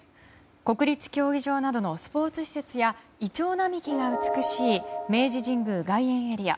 国立競技場などのスポーツ施設やイチョウ並木が美しい明治神宮外苑エリア。